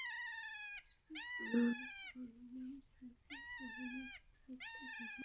আমি মনে মনে বললাম, সাইকেল পাব না, শুধু শুধু একটা ঝামেলায় পড়লাম।